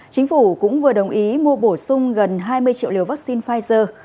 chính phủ cũng vừa đồng ý mua bổ sung gần hai mươi triệu liều vaccine pfizer